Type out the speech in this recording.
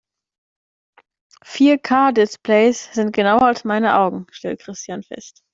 "Vier-K-Displays sind genauer als meine Augen", stellt Christian fest.